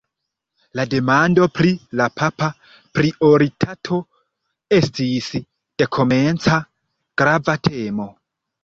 La demando pri la papa prioritato estis dekomenca grava temo.